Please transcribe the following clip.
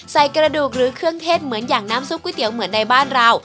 ใส่กระดูกหรือเครื่องเทศเหมือนอย่างน้ำซุปก๋วยเตี๋ยวเหมือนในบ้านเรา